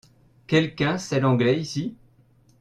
Quelqu'un sait l'anglais ici ?